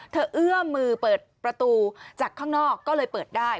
เอื้อมมือเปิดประตูจากข้างนอกก็เลยเปิดได้